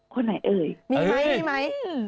คนไหนเอ่ยมีไหม